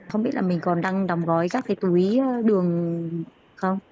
không biết là mình còn đăng đồng gói các cái túi đường không